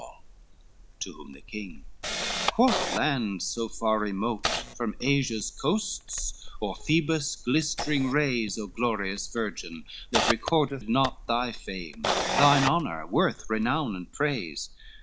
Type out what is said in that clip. XLVII To whom the king, "What land so far remote From Asia's coasts, or Phoebus' glistering rays, O glorious virgin, that recordeth not Thy fame, thine honor, worth, renown, and praise?